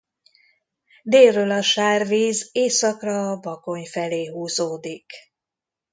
Délről a Sárvíz északra a Bakony felé húzódik.